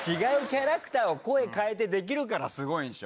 違う、違うキャラクターを声変えてできるからすごいんでしょ。